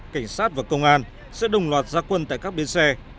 cảnh sát và công an sẽ đồng loạt gia quân tại các bến xe